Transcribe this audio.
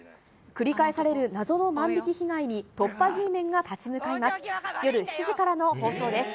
繰り返される謎の万引き被害に、突破Ｇメンが立ち向かいます。